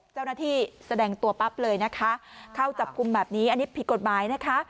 แสดงตัวปั๊บเลยนะคะเข้าจับกลุ่มแบบนี้อันนี้ผิดกฎหมายนะคะ